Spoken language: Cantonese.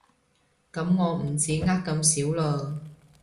噉我唔止呃咁少了